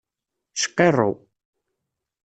Cqirru.